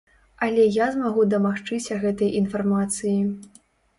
Але я змагу дамагчыся гэтай інфармацыі.